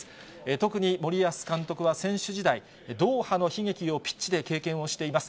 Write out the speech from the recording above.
特に森保監督は選手時代、ドーハの悲劇をピッチで経験をしています。